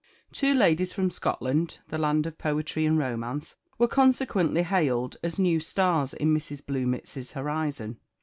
_ Two ladies from Scotland, the land of poetry and romance, were consequently hailed as new stars in Mrs. Bluemits's horizon.